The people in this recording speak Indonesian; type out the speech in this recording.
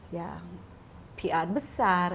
ya pr besar